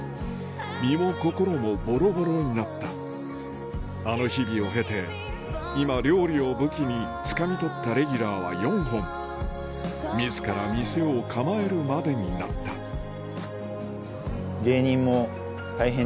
身も心もボロボロになったあの日々を経て今料理を武器につかみ取ったレギュラーは４本自ら店を構えるまでになったハハハハ。